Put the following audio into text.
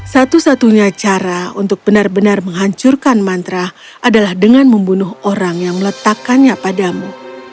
satu satunya cara untuk benar benar menghancurkan mantra adalah dengan membunuh orang yang meletakkannya padamu